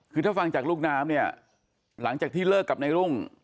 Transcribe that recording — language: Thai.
คือถ้าฟังจากลูกน้ำเนี่ยหลังจากที่เลิกกับนายรุ่ง